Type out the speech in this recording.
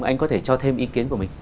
anh có thể cho thêm ý kiến của mình